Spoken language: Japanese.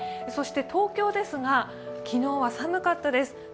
そして東京ですが、昨日は寒かったです。